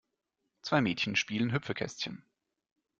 Zwei Mädchen spielen Hüpfekästchen.